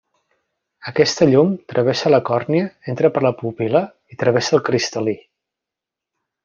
Aquesta llum travessa la còrnia, entra per la pupil·la i travessa el cristal·lí.